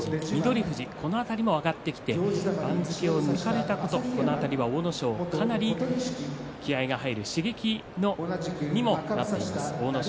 富士も上がってきて番付を抜かれたことこの辺り、阿武咲はかなり気合いが入る刺激にもなっています。